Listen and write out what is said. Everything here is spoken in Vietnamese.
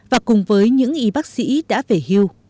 và cùng với những y bác sĩ đã về hưu